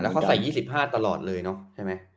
เขาใส่๒๕ตลอดเลยเนอะใช่ไหม